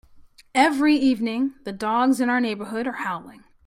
Every evening, the dogs in our neighbourhood are howling.